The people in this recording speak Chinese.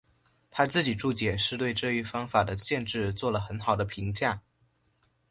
他自己注解是对这一方法的限制做了很好的评价。